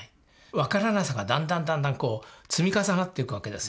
分からなさがだんだんだんだん積み重なっていくわけですよ